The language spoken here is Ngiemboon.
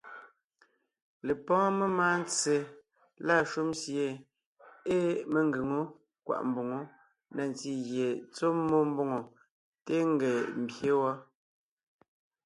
Lepɔ́ɔn memáa ntse lâ shúm sie ée mengʉ̀ŋe wó kwaʼ mboŋó na ntí gie tsɔ́ mmó mbòŋo téen ńgee ḿbyé wɔ́,